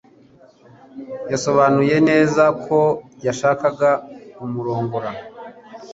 Yasobanuye neza ko yashakaga kumurongora